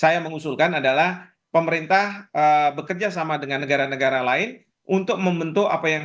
saya mengusulkan adalah pemerintah bekerja sama dengan negara negara lain untuk membentuk apa yang